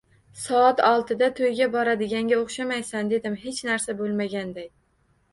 Soat oltida to`yga boradiganga o`xshamaysan, dedim hech narsa bo`lmaganday